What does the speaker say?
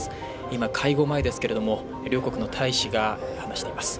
今、会合前ですけど、両国の大使が話しています。